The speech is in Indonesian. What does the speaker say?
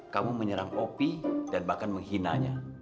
kamu menyerang opi dan bahkan menghina nya